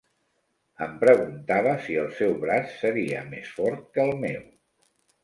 Em preguntava si el seu braç seria més fort que el meu